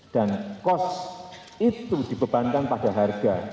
dan kos itu dibebankan pada harga